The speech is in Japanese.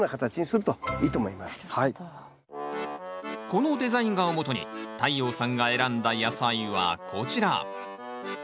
このデザイン画をもとに太陽さんが選んだ野菜はこちら。